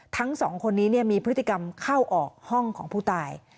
ทั้งสองคนนี้มีพฤติกรรมเข้าออกห้องของผู้ตาย